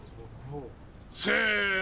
せの。